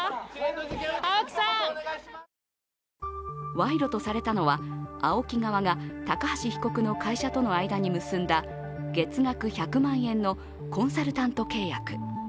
賄賂とされたのはＡＯＫＩ側が高橋被告の会社との間に結んだ月額１００万円のコンサルタント契約。